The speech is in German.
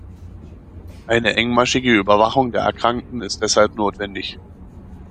Eine engmaschige Überwachung der Erkrankten ist deshalb notwendig.